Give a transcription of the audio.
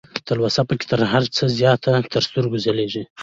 تلوسه پکې تر هر څه زياته تر سترګو ځلېږي